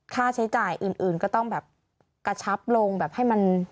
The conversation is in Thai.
ค่าใช้จ่ายอื่นก็ต้องแบบกระชับลงแบบให้มัน